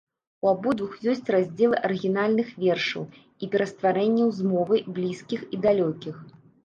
У абодвух ёсць раздзелы арыгінальных вершаў і перастварэнняў з моваў блізкіх і далёкіх.